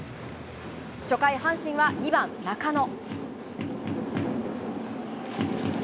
初回、阪神は２番中野。